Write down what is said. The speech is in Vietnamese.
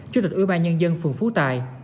chủ tịch ủy ban nhân dân phường phú tài